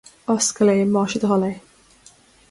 Oscail é, más é do thoil é